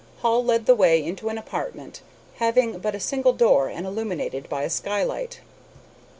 Hall led the way into an apartment having but a single door and illuminated by a skylight.